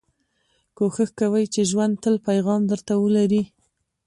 کوښښ کوئ، چي ژوند تل پیغام در ته ولري.